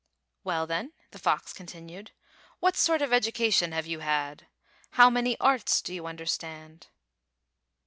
"Well, then," the fox continued, "what sort of education have you had? How many arts do you understand?"